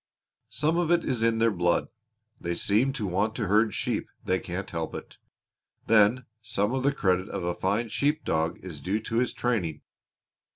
"Some of it is in their blood. They seem to want to herd sheep they can't help it. Then some of the credit of a fine sheep dog is due to his training.